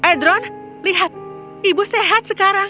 edron lihat ibu sehat sekarang